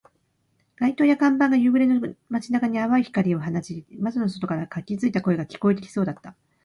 街灯や看板が夕暮れの街中に淡い光を放ち、窓の外から活気付いた声が聞こえてきそうだった